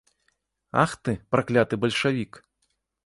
Ах ты, пракляты бальшавік!